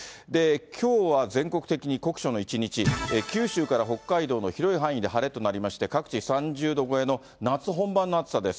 きょうは全国的に酷暑の一日、九州から北海道の広い範囲で晴れとなりまして、各地３０度超えの夏本番の暑さです。